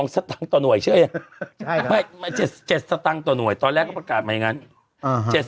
สตางค์ต่อหน่วยเชื่อยัง๗สตางค์ต่อหน่วยตอนแรกเขาประกาศมาอย่างนั้น